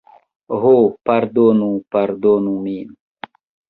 Ho, pardonu, pardonu min!